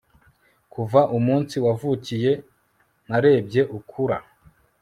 kuva umunsi wavukiye narebye ukura